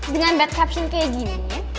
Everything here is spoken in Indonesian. dengan bat caption kayak gini